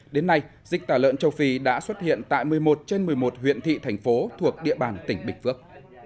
đến nay dịch tả lợn châu phi đã xuất hiện tại một mươi một trên một mươi một huyện thị thành phố thuộc địa bàn tỉnh bình phước